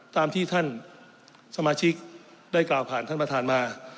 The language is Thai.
ตามที่ท่านสมาชิกได้กล่าวผ่านท่านประธานมา